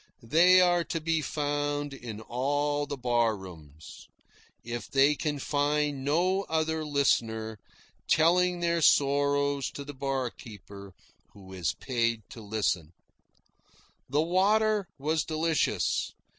They are to be found in all the bar rooms, if they can find no other listener telling their sorrows to the barkeeper, who is paid to listen.) The water was delicious.